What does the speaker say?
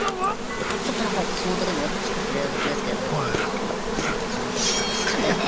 いやちょっとなんか仕事でもよく聞くフレーズですけどまあ遊ぶカネ欲しさですかね。